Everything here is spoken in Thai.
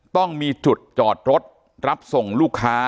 ต้องมีจุดจอดรถรับส่งลูกค้า